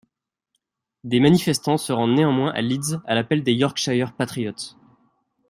Des manifestants se rendent néanmoins à Leeds à l'appel des Yorkshire Patriots.